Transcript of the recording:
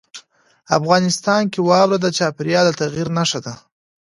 افغانستان کې واوره د چاپېریال د تغیر نښه ده.